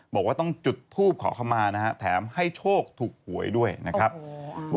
บอกว่าต้องจุดทูบขอเข้ามานะฮะแถมให้โชคถูกหวยด้วยนะครับ